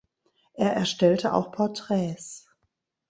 Er erstellte auch Porträts.